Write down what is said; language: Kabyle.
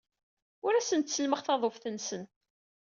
Ur asen-ttellmeɣ taḍuft-nsen.